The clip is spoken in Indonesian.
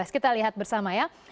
kita lihat bersama ya